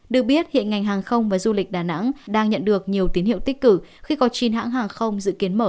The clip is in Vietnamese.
được biết hiện ngành hàng không và du lịch đà nẵng đang nhận được nhiều tín hiệu tích cực khi có chín hãng hàng không dự kiến mở